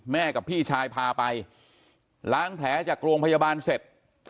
กับพี่ชายพาไปล้างแผลจากโรงพยาบาลเสร็จ